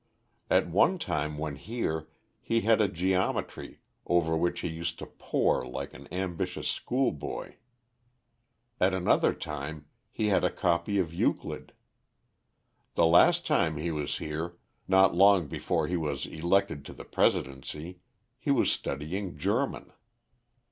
At one time when here, he had a geometry, over which he used to pore like an ambitious school boy. At another time, he had a copy of Euclid. The last time he was here, not long before he was elected to the Presidency, he was studying German.